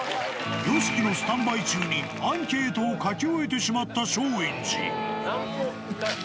ＹＯＳＨＩＫＩのスタンバイ中にアンケートを書き終えてしまった松陰寺。